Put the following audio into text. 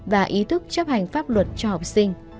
và ý thức chấp hành pháp luật cho học sinh